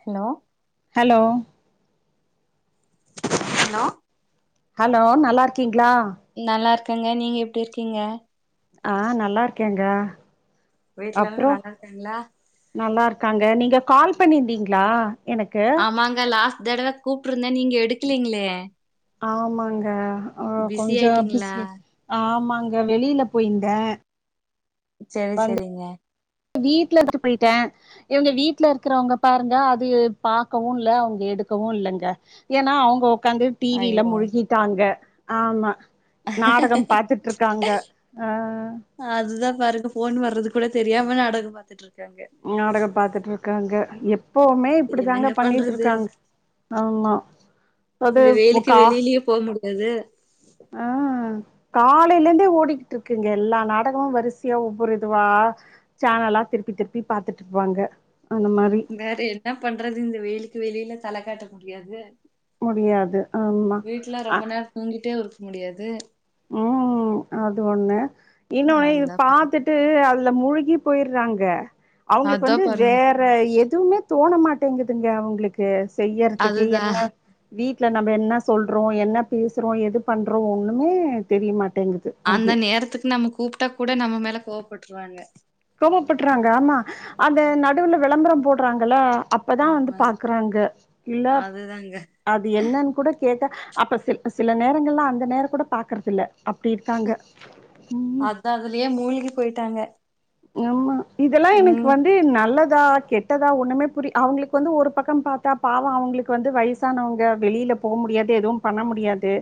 Hello hello hello hello நல்லா இருக் க்கீங்களா க்கங்க நீங்க எப்படி இருக்கீங்க. ஆஹ் நல்லா இருக்கேங்க. வீட்லல்லாம் நல்லாருக்காங்களா காங்க நீங்க கால் பண்ணிருந்தீங்களா ஆமாங்க லாஸ் தடவா கூப்ட்டு இருந்தே நீங்க எடுக்கலீங்களே ஆமாங்க ஓ பிஸி கொஞ்சோ ஆயிட்டீங்களா பிஸி ஆமா அங்க வெளில போயிருந்தேன். சரி சரிங்க வீட்ல [inaudible] போயிட்டேன் இவங்க வீட்ல இருக்கறவங்க பாருங்க அது பாக்கவும் இல்ல அவுங்க எடுக்கவும் இல்லங்க ஏன்னா அவுங்க உக்காந்து டி வில ஐயோ முழுகிட்டாங்க. ஆமா நாடகம் பாத்துட்ருக்காங்க அஹ் அதுதா பாருங்க ஃபோன் வர்ரது கூட தெரியாம நாடகம் பாத்துட்டு இருக் நாடகம் பாத்துட்ருக்காங்க எப் எப்பவுமே இப்டிதாங்க என்னங்க பண்ணிட்டு பண்றது இருக்காங் ஆமா அது இந்த வெயிலுக்கு உக்கா வெளியிலயே போ முடியாது ஆஹ் காலேலர்ந்தே ஓடிக்கிட்டு இருக்குங்க எல்லா நாடகமும் வரிசையா ஒவ்வொரு இதுவா சேனலா திருப்பி திருப் எப்பி பாத்துட்றுப்பாங்க வேற என்னா பண்றது இந்த வெயிலுக்கு வெளில தல காட்ட முடியாது முடியாது ஆமா வீட்ல அ ரொம்ப நேரோ தூங்கிட்டே இருக்க முடியாது உம் அது ஒண்ணு இன்னொன்னு இது அதா பாருங்க பாத்துட்டு அது ல முழுகி போயற்றாங்க. அவுங்களுக்கு அதுதா வந்து பாருங்க வேற எ எதுவுமே தோண மாட்டேங்குதுங்க அவுங்களுக் கு செய்யறதுக்கு அதுதா என்ன வீட் ல நம்ம என்ன சொல்றோம் என்ன பேசுறோம் எது பண்றோம் ஒண்ணுமே தெரியமாட் அந்த நேரத்துக்கு நம்ம கூப்ட்டா கூட நம்ம மே ல கோவப்பட்ருவாங்க கோவப்பட்றுறாங்க ஆமா அது நடுல விளம்பரம் போடுறாங்கல்ல அப்பதான் வந்து ஆமாங்க பாக்குறாங்க இல்ல அதுதாங்க அது என்னன்னு கூட கேட்டா அப்ப சி சில நேரங்கள்ள அந்த நேரம் கூட பாக்கறதில்ல அதா அதுலயே மூழ்கி போயிட்டாங்க யம்மா இதெல்லா எனக்கு ம் வந்து நல்லதா ட் கெட்டதா ஒன்னுமே புரி அவங்களுக்கு வந்து ஒரு பக்கம் பாத்தா பாவோ அவங்களுக்கு வந்து வய்சானவங்க வெளியில் போ முடியாது எதுவும் பண்ண முடியாது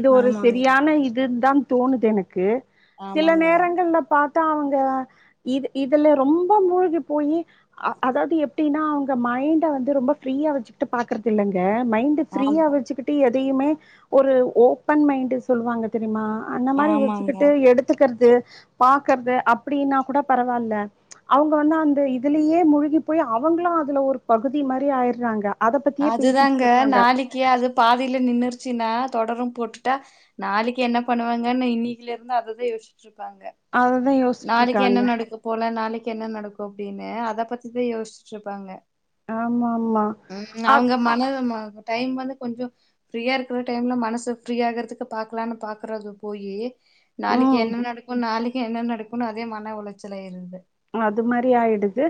இது ஒரு ஆமாங்க செரியான இதுன் தான் தோணுதெனக்கு சில ஆமாங்க நேரங்கள்லெ பாத் ட அவுங்கதா இது இதல ரொம்போ மூழ்கி போயி அ அதாவுது எப்டினா அவுங்க மைண்ட்டே வந்து ரொம்ப ஃப்ரீயா வெச்சுக் டு பாக்றதில்லங்கே மைண்ட்டு ஆம் ஃப்ரீயா வெச்சுக்கிட்டு தீமே ஒரு ஓப்பன் மைண்ட்டு சொல்வாங்க தெரிமா அன்ன மாரி ஆமாங்க வெச்சிக்கிட்டு எடுத்துக்கற் து பாக்கற்து அப் ப்பிடினா கூட பரவாலே ச்ச அவுங்க வந்து அந்த இதுலீயே மூழ்கி போயி அவுங்களு அதுல ஒரு பகுதி மாரி ஆயிறாங்கே அதுதாங்கே நாளக்கியே அது பாதிலெ நின்னுர்ச்சினா தொடரும் போட்டுட்டா நாளக்கி என்னா பண்ணுவாங்கன்னு இன்னீலெர்ந்து அததா யோசிச்சிட்டுருப்பாங்கே அததா யோசிட்டுருக்காங்கே கே என்னே நடக்கோ அப்டினு அத பத்தித்தா யோசிச்சிட்டுருப்பாங்கே ஆமா அம்மா அக் அ மன ம டைம் வந்து கொஞ்சோ ஃப்ரீயா இருக்கிற டைல்லே மனசு ஃப்ரீயா ஆகற்துக்கு பாக்லான்னு பாக்கறது போயி நாளக்கி ம் என்னம் நடக்குன் நாளக் என்னே நடக் குனு அதே மன உளச்சலே இருந்து அது மாரி ஆயிடுது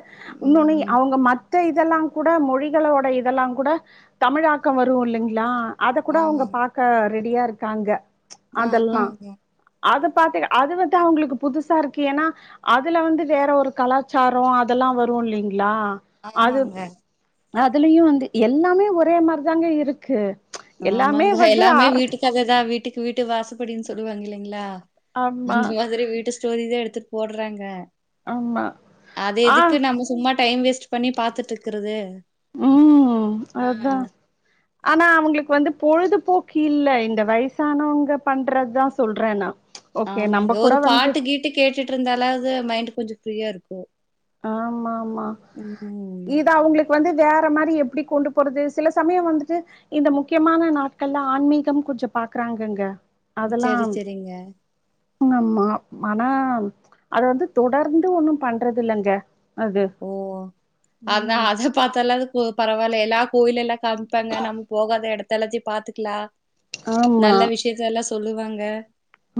இன்னொன்னு ம். அவங்க மத்த இதெல்லா கூட மொழிகளோட இதெல்லா கூட தமிழாக்கம் வரு இல்லைங்களா அத கூட அவங்க பாக்க ரெ டியா இருக்காங்க ஆ அதெல்லா அத பாத்து அது வந்து அவங்களுக்கு புதுசா இருக்கு ஏனா அதுல வந்து வேற ஒரு கலாச்சாரோ அதெல்லா வரு இல்லிங் ளா அது ஆமாங்க. அதுலயு வந்து எல்லாமே ஒரே மாரிதாங்க இருக்கு எல்லாமே ஆமாங்க வந்து எல்லாமே அர வீட்டுக் கதை தா வீட் ட்டுக்கு வீட்டு வாசப்படின்னு சொல்லுவாங்க இல்லைங்களா ஆமா அந்த மாதிரி வீட்டு ஸ்டோரிதா எடுத்து போட்றாங்க ஆமா ஆ நம்ம சும்மா டைம் வேஸ்ட் பண்ணி பாத்துட்டு இக்குறது ம் அதா ஆனா அவங்களுக்கு வந்து பொழுதுபோக்கு இல்ல இந்த வயசானவங்க பண்றதா சொல்ற நா ஓகே ஆமாங்க நம்ம கூட ஒரு வந்து பாட்டு கீட்டு கேட்டுட்டு இருந்தாலாது மைண்டு கொஞ்சோ ஃப்ரீயா ருக்கு ஆமா ஆமா இது அவங்ளுக் கு வந்து வேற மாரி எப்டி கொண்டு போறது சில சமயோ வந்துட்டு இந்த முக்கியமான நாட்கள்ல ஆன்மீகம் கொஞ்சோ பாக்குறாங்கங்க சரி சரிங்க உங்கம்மா மானா அது வந்து தொடர்ந்து ஒண்ணு பண்றது தில்லங்க ஓ அதா அத பாத்தாலாது போ பரவால்ல எல்லா கோயிலெல்லா காம்ப்பாங்க நம்ம போகாத எடத் தளச்சி பாத்துக்லா ஆமா நல்ல விஷயத்தெல்லா சொ சொல்லுவாங்க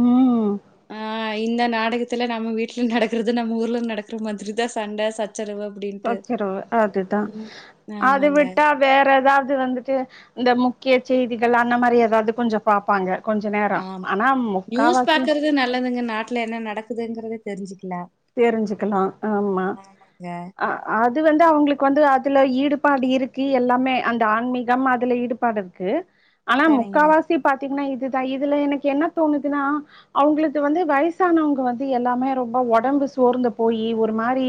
ம் ஆ இந்த நாடகத்துல நம்ம வீட்ல நடக்கறது நம்ம ஊர்ல நடக்குற மாதிரி தா சண்ட சச் சச்சரவு அதுதா ம் அத ஆமாங்க விட்டா வேற எதாவ்து து வந்துட்டு இந்த முக்கிய செய்திகள் அந்த மாரி எதாது கொஞ்சோ பாப்பாங்க கொஞ்ச நேரோ ஆமா ஆனா முக்காவாசி நாட்ல என்ன நடக்குதுங்கிறத தெரிஞ்சுக் தெரிஞ்சுக்கலா ஆமா ஆமாங்க அ அது வந்து அவங்ளுக்கு வந்து அதுல ஈடுபாடு இருக்கு எல்லாமே அந்த ஆன்மீகம் அதுல ஈடுபாடுருக்கு ஆனா சரிங்க முக்காவாசி பாத் தீங்கன்னா இதுதா இதுல எனக்கு என்ன தோணுதுன்னா அவங்களுக்கு வந்து வயசானவங்க வந்து எல்லாமே ரொம்ப ஒடம் ஒடம்பு சோர்ந்து போயி ஒரு மாரி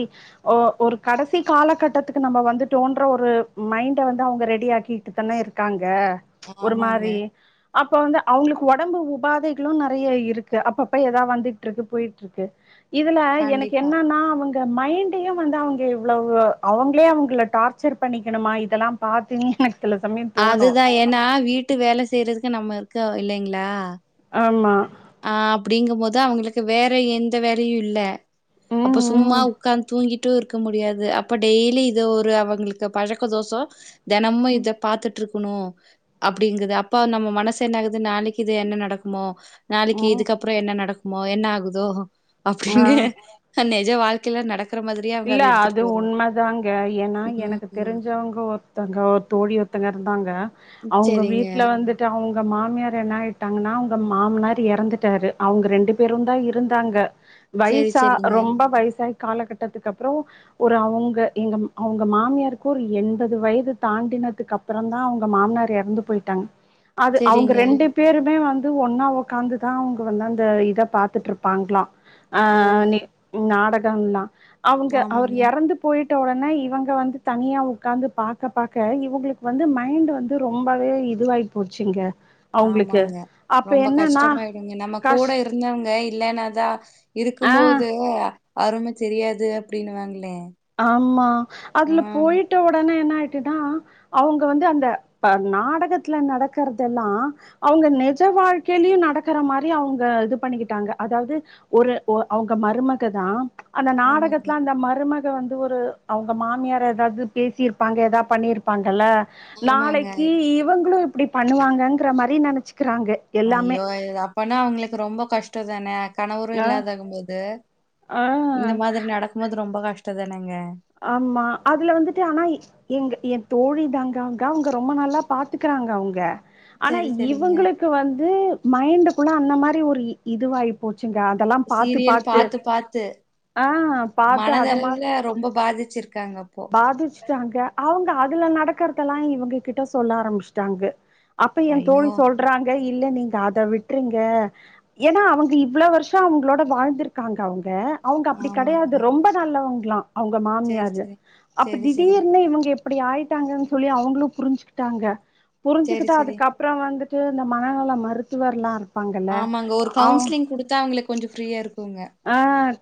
ஒ ஒரு கடைசி காலகட்டத்துக்கு நம்ம வந்துட்டோன்ற ஒரு மைண்ட வந்து அவங்க ரெடி ஆக்கிட்டு தானே இருக்காங்க ஒரு ஆமாங்க மாரி அப்ப வந்து அவங்களுக்கு ஒடம்பு உபாதைகளு நெறைய இருக்கு அப்பப்ப எதாவ் வந்துட்டுருக்கு போயிட்டுருக்கு இதுல எனக்கு கண்டிப்பா என்னன்னா அவங் இந்த மைண்டையெ வந்து அவங்க இவ்ளவு அவங்களே அவங்கள டார்ச்சர் பண்ணிக்கணுமா இதெல்லா பாத்து எனக் அதுதா ஏன்னா வீட்டு வேல செய்யறதுக்கு நம்ம இரு க்கோ இல்லைங்களா ஆமா அ அப்டிங்கும் போது இதா அவுங்களுக்கு வேற எந்த வேலயு இல்ல ம் அப்ப சும்மா ம் உக்காந் தூங்கிட்டு மட்டு இருக்க முடியாது அப்பா டெய்லி இது ஒரு அவங்களுக்கு பழக்க தோசோ தெனமு இத பாத்துட்டுருக் க்கணு அப்டிங்குது அப்பா நம்ம மனசு என்ன ஆகுது நாளைக்கு இது என்ன நடக்குமோ ஆ நாளைக்கு ம் இதுக்கப்புறோ என்ன நடக் மோ என்ன ஆகுதோ ஆ அப்டீன்னு நெஜ வாழ்க்கில நடக் இல்ல அது உண்மதாங்க ஏன்னா ம் எனக்கு ம் தெரிஞ்சவங்க ஒர்த்தங்க ஒரு தோழி ஒர்த்தங்க இருந்தாங்க அவுங்க சரிங்க வீட்ல வந்துட்டு அவுங்க மாமியார் என்ன ஆய்ட்டாங்கன்னா அவுங்க மாமனார் எறந்துட்டரு அவுங்க ரெண்டு பேரு தா இருந்தாங்க சரி வய்சா சரிங்க ரொம்ப வய்சாய் காலகட் டத்துக்கு அப்புறோ ஒரு அவுங்க எங்க அவுங்க மாமியருக்கு ஒரு எண்பது வயது தாண்டினதுக்கு அப்புறோ தா அவுங்க மாமனார் எறந்து போய்ட்டாங் அது அவுங்க சரிங்க ரெண்டு பேருமே வந் து ஒன்னா ஒக்காந்துதா அவுங்க வந்து அந்த இத பாத்துட்டுருப்பாங்ளா ஓ அநே நாடக ங்ளா அவுங்க அவர் ஆமாங்க எறந்து போய்ட் ட ஒடனே இவங்க வந்து தனியா உக்காந்து பாக்க பாக்க இவங்களுக்கு வந்து மைண்ட் வந்து ரொம்பவே இதுவாகி போச்சுங்க அவங்களுக்கு ஆமாங்க அப்ப ரொம்ப என்னன்னா கஷ்டமாய்டுங்க நம்ம கஷ் கூட இருந்தவங்க இல்லென்னதா ஆ இருக்கும்போது அரும தெரியாது அப்டீனு வாங்ளே ஆமா அதுல போயிட்டவொடனே யென்ன ட்டுதா அவுங்க வந்து அந்த அ நாடகத்ல நடக்கறதெல்லா அவுங்க நெஜ வாழ்க்கையிலயு நடக்கற மாரி அவுங்க இது பண்ணிக்கிட்டாங்க அதாவது ஒரு ஒ அவுங்க மருமகதா அந்த ஆமாங்க. நாடகத்ல அந்த மருமக து வந்து ஒரு அவுங்க மாமியார எதாவ்து பேசிருப்பாங்க எதா பண்ணிருப்பாங்கல்ல ஆமாங்க. நாளைக்கு யிவுங்களு அப்டி பண்ணுவாங்கங்ற மாரி நெனச்சி ஐயோ இ அப்பனா அவ்ங்களுக்கு ரொம்ப கஷ் டோதான கணவரு ஆ யில்லாதாகும்போது ஆ யிந்த மாதிரி நடக்கும் போது ரொம்ப கஷ்டதானேங்க ஆமா தோழிதாங்க ங்க அவ்ங்க ரொம்ப நல்லா பார்த்துக்குறாங்க அவ்ங்க ஆனா சரி, சரிங்க. யிவங்களுக்கு வந்து மைண்டு யிப்லாம் அந்த மாரி ஒரு யிதுவாயி போச் சீரியல் பாத்து பாத்து ஆ பாத்து அத மா மனதளவ்ல ரொம்ப பாதிச்சிருக்கு பாதிச்சுட்டாங்க அவ்ங்க அதுல நடக்கறதலாம் யிவங்ககிட்ட சொல்ல ஆரம்பிச்சிட்டாங்க அப்ப எந்தோழி ஐயோ! சொல்றாங்க யில்ல நீங்க அத விட்ருங்க யேன்னா அவங்க இவ்ளவ் வருஷம் அவங்களோட வாழ்ந்திருக்காங்க அவங்க அவங்க அப்டி ஆமாங்க. கெடயாது ரொம்ப நல்லவங்க லாம் அவங்க சரி, மாமியாரு சரி. அப்ப சரி, சரி. திடீர்னு யிவங்க யிப்டி ஆயிட்டாங்கன்னு சொல்லி அவங்களும் புரிஞ்சிகிட்டாங்க சரி, புரிஞ்சுகிட்டா சரி. அதுக்கு அப்றம் வந்து யிந்த மனநல மருத்துவர்லாரு பாங்கல்ல ஆமாங்க. ஒரு அ கவுன்சிலிங் குடுத்தா அவங்களுக்கு கொஞ்சம் ஃப்ரீயா இருக்குங்க. ஹ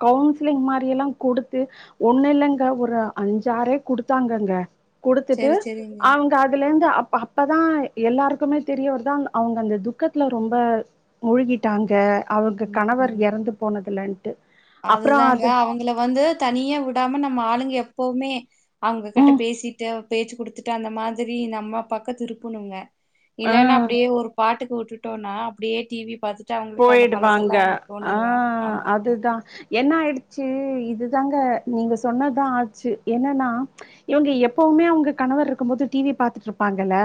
கவுன்சிலிங் மாதிரில்லாம் கொடுத்து ஒண்ணுயில்லங்க ஒரு அஞ்சாறே குடுத்தாங்கங்க குடுத்துட்டு செரி செரிங்க அவங்க அதுலர்ந்து அப்போதான் யெல்லாருக்குமே தெரியவர்து அவ்ங்க அந்த துக்கத்துல ரொம்ப மூழ்கிட்டாங்க அவங்க கணவர் ம் யறந்து போனதுலன் அதுதாங்க அவங்கள வந்து தனியா விடாம நம்ம ஆளுங்க எப் எப்பவுமே அவங்ககிட்ட ம் பேசிட்டு பேச்சு குடுத்துட்டு அந்த மாதிரி இந்தம்மா பக்கோ திருப்பணுங்க ஆ இல்லேன்னா அப்படியே ஒரு பாட்டுக்கு வுட்டுட் வுட்டோன்ன அப்டியே டிவி பாத்துட் போயிடுவாங்க ஆ ஆமாங்க அதுதா என்ன ஆயிடுச்சி இது தாங்க நீங்க சொன்னதுதா ஆச்சி என்னன்னா இவங்க எப்பவுமே அவுங்க கணவர் இருக்கு போது டிவி பார்த்துட்டுருப்பாங்கல்ல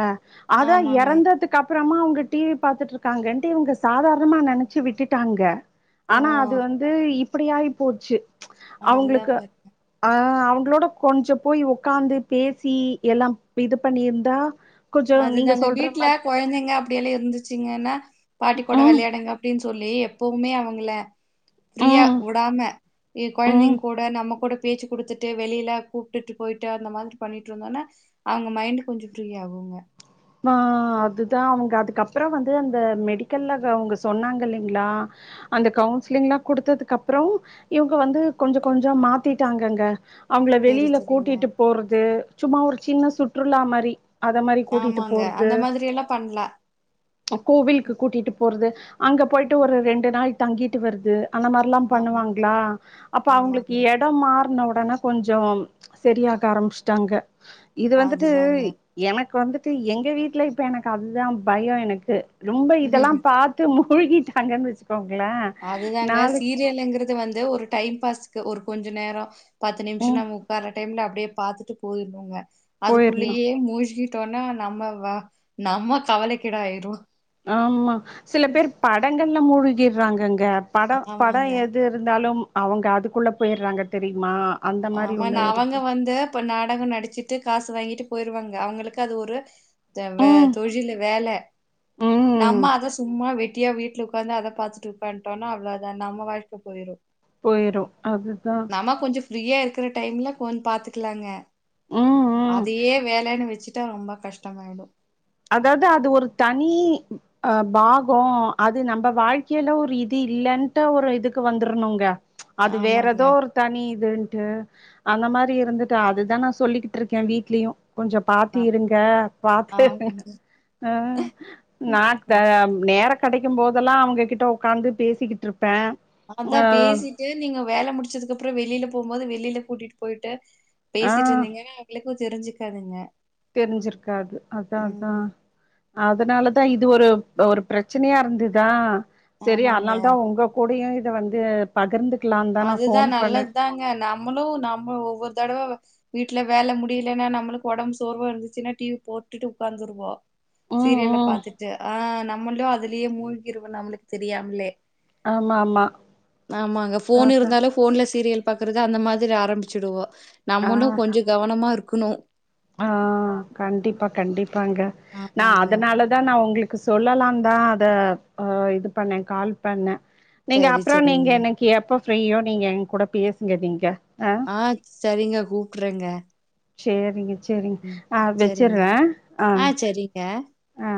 அதா ஆமாங்க இறந்ததுக்கு அப் புறமா அவங்க டிவி பாத்துட்டு இருக்காங்கன்ட்டு இவங்க சாதார மா நினைச்சி விட்டுட்டாங்க ஓ ஆனா அது வந்து இப் அப்டியாயிபோச்சி அதுதா அவுங்குளுக்கு பாருங்க ஆ அவங் அவுங்களோட கொஞ்சோ போய் உக்காந்து பேசி எல்லா இது பண்ணிருந்தா அதுதாங்க வீட்ல கொயந்தைங்க அப்டியெல்லா இருந்துச் ச்சிங்கன்னா பாட்டி கூட ம் வெளயாடுங்க அப்படின்னு சொல் சொல்லி எப்பவுமே அவுங்கள ஃப்ரீயா ம் வுடாம ம் கொயந்தைங்க கூட நம்ம கூட பேச்சு குடுத்துட்டு வெளில கூப்டுட்டு போய்ட்டு அந்த மாரி பண்ணிட்டுருந்தோன்னா அவுங்க மைண்டு கொஞ்சோ ஃப்ரீ ஆவுங்கங்க ஆ அதுதா அவுங்க அதுக்கப்றோ வந்து அந்த மெடிக்கல்ல அவங்க சொன்னாங்க இல்லைங்களா அந்த கவுன்சிலிங்லா குடுத்ததுக்கு அப்றோ இவுங்க வந்து கொஞ்சோ கொஞ்சோ மாத்திட்டாங்கங்க அவுங்கள சேரி வெளில சேரிங்க கூட்டிட்டு போறது சும்மா ஒரு சின்ன சுற்றுலா மாரி அத மாரி கூட்டிட்டு ஆமாங்க போறது அந்த மாதிரி எல்லா பண்லா கோவிலுக்கு கூட்டிட்டு போற வர்து அங்க போயிட்டு ஒரு ரெண்டு நாள் தங்கீட்டு வர்து அந்த மாரில்லா ஆமாங்க பண்ணுவாங்களா அப்ப ஆமாங்க அவுங்குளுக்கு எடோ மார்ன வொட் ஆனா கொஞ்சோ சரியாக ஆரம்பிச்டாங்க இத வந்துட்டு அதுதாங்க எனக்கு வந்து எங்க வீட்ல இப்ப எனக்கு அதுதா பயோ எனக்கு ரொம்ப இதெல்லா பாத்து மு முழுகிட்டாங்கன்னு வெச்சிக்கோ அதுதாங்க சீரியலங்கிறது வந்து ஒரு டைம் பாஸ் ஒரு கொஞ்சோ நேரோ பத்து நிமிஷோ ம் நம்ம உக்கார்ற டைம்ல அப்டியே பார்த்துட்டு போயிருந்துங்க போயிரணு அதுக்குள்ளயே மூழ்கிட்டு ட்டோனா நம்ம நம்ம கவலை கிடோ ஆயிடுவோ ஆமா சில பேர் படங்கள் மூழ்கிடுறாங்கங்க படம் படோ ஆமாங்க எது இருந்தாலு அவங்க அதுக்குள்ள போயடுறாங்க தெரியுமா அந்த மாரி ஆமா ஆனா ஒண்ணு அவுங்க இருக்கு வந்து இப்ப நாடகம் நடிச்சிட்டு காசு வாங்கிட்டு போயிருவாங்க அவுங்குளுக்கு அது ஒரு த வே ம் தொழிலு வேல ம் நம்ம அத சும்மா வெட்டு வெட்டியா வீட்ல உக்காந்து அத பாத்துட்டு உட்காந்துட்டோனா அவ்ளோதா நம்ம வாழ்க்க போயிரு போயிரு அதுதா ஃப்ரீயாக இருக்குற டைம்ல போன் பாத்துக்கலாங்க ம் ம் அதையே வேலன்னு வச்சுட் ரொம்ப கஷ்டமாயிடு அதாவது அது ஒரு தனி அ பாகோ அது நம்ம வாழ்க்கையில ஒரு இது இல்லன்ட்டு ஒரு இதுக்கு வந்துரணுங்க அது வேற ஆமாங்க. எதோ ஒரு தனி இதுன்ட்டு அந்த மாதிரி இருந்துட்டா அதுதா நா சொல்லிக்கிட்டு இருக்கே வீட்லயு கொஞ்சோ நா பாத்தி இருங்க பாத்து ஆமாங்க. உம் நா த நேரோ கெடைக்கு போதெல்லா அவுங் எங்ககிட்ட உக்கார்ந்து பேசிக்கிட்டு இருப்ப அதா பேசிட்டு நீங்க வேல முடிச்சதுக்கு அப்பறோ வெளியில போகும்போது வெளியில கூட்டிட்டு போயிட்டு ஆ பேசிட்டு இருந்தீங்கன்னா அவளுக் தெரிஞ்சிக்காதங்க தெரிஞ்சிருக்காது அதா அதுனால இது ஒரு ஒரு ப்ரச்சனையா இருந்துதா செரி ஆமாங்க. அதனாலதா உங்க கூட ந்த வந்து பகிர்ந்து அதுதா நல்லது தாங்க நம்மளும் நம்மள ஒவ்வொரு தடவ வீட்ல வேல முடியலைன்னா நம்மளுக்கு ஒடம்பு சோர்வா இருந்துச்சுன்னா டிவி போட்டுட்டு உட்காந்துருவோ ம் சீரியல்ல ம் பாத்துட்டு ஆ நா நம்மளோ அதுலயே மூழ்கிவே நம்மளுக்கு தெரியாமலே ஆமா ஆமா போன் அதா இருந்தாலு ஃபோன்லஸ் சீரியல் பாக்குறது அந்த மாதிரி ஆரம்பிச்சுடுவோம் ஆ நம்மளும் கொஞ்சோ கவனமா இருக் க்கணு ஆ கண்டிப்பா கண்டிப் இருப்பாங்க நா ஆமாங்க அதனாலதா நா உங்களுக் க்கு சொல்லலாம்தா அத இது பண்ணேன் கால் பண்ணேன் நீங்க சரி அப்றோ நீங்க சரிங்க என்னைக்கு எப்ப ஃப்ரீயோ நீங்க எங்கூட பேசுங்க நீங்க ஆ சரிங்க கூப்பறேங்க சேரிங்க செரிங்க ஆ வெச்சுர்றே ஆ ங்க ஆ